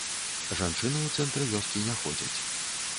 Жанчыны ў цэнтр вёскі не ходзяць.